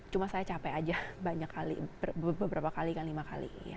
cuma saya capek aja banyak kali beberapa kali kan lima kali